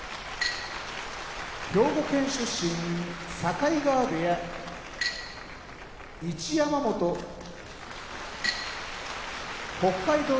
兵庫県出身境川部屋一山本北海道